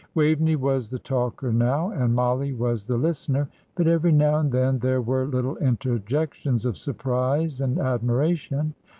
Waveney was the talker now, and Mollie was the listener, but every now and then there were little interjections of surprise and admiration.